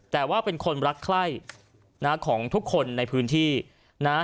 แต่ว่าเป็นคนรักใคร่นะของทุกคนในพื้นที่นะฮะ